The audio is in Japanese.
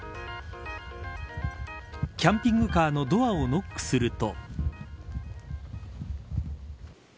キャンピングカーのドアをノックすると。